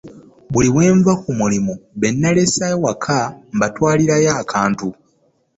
Buli wenva kumulimu benalese ewaka mbatwaliraayo akantu.